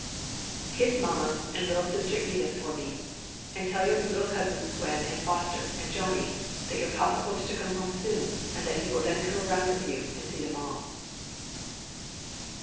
"Kiss mamma and little Sister Edith for me, and tell your little cousins Gwyn and Foster and Johnny that your papa hopes to come home soon and that he will then come around with you and see them all."